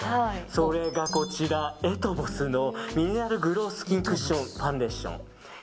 それが、こちらエトヴォスのミネラルグロウスキンクッションファンデーション。